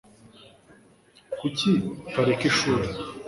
kuki utareka ishuri